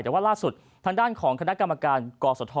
แต่ว่าล่าสุดทางด้านของคณะกรรมการกศธ